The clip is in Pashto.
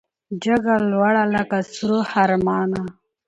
جګه لوړه لکه سرو خرامانه